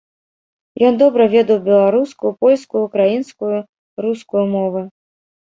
Ён добра ведаў беларускую, польскую, украінскую, рускую мовы.